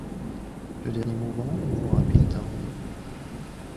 Le dernier mouvement, mouvement rapide est un rondo.